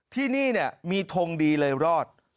ที่นี่มีทงดีเลยรอด